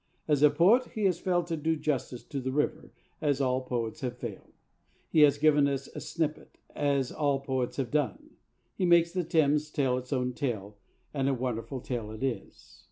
As a poet he has failed to do justice to the river, as all the poets have failed. He has given us a snippet, as all the poets have done. He makes the Thames tells its own tale, and a wonderful tale it is.